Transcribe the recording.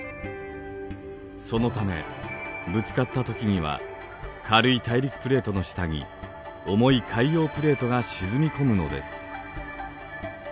そのためぶつかった時には軽い大陸プレートの下に重い海洋プレートが沈み込むのです。